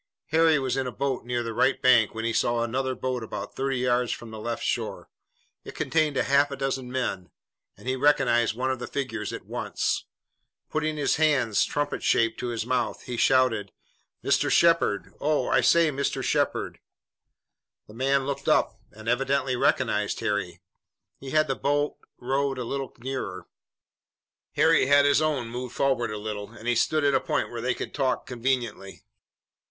Harry was in a boat near the right bank when he saw another boat about thirty yards from the left shore. It contained a half dozen men, and he recognized one of the figures at once. Putting his hands, trumpet shaped, to his mouth, he shouted: "Mr. Shepard! Oh, I say, Mr. Shepard!" The man looked up, and, evidently recognizing Harry, he had the boat rowed a little nearer. Harry had his own moved forward a little, and he stopped at a point where they could talk conveniently.